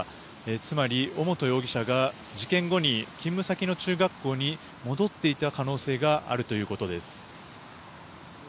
つまり、尾本容疑者が事件後に勤務先の中学校に戻っていた可能性があるということです。